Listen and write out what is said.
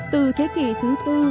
từ thế kỷ thứ tư